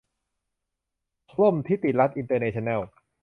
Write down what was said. ร่มธิติรัตน์อินเตอร์เนชั่นแนล